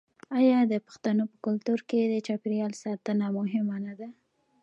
آیا د پښتنو په کلتور کې د چاپیریال ساتنه مهمه نه ده؟